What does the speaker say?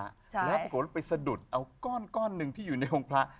แล้วปรากฏไปสะดุดเอาก้อนหนึ่งที่อยู่ในองค์พระ